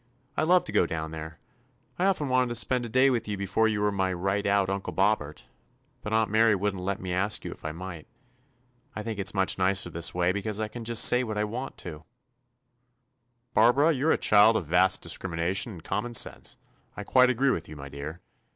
"I love to go down there. I often wanted to spend a day with you before you were my right out Uncle Bobbert, but Aunt Mary would n't let me ask you if I might. I think it's much nicer this way, because I can say just what I want to." 197 THE ADVENTURES OF ^'Barbara, you 're a child of vast discrimination and common sense I I quite agree with you, my dear.